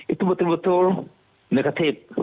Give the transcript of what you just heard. itu betul betul negatif